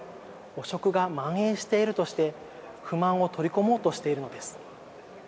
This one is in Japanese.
汚職が、まん延しているとして不満を取り込もうとしているのです。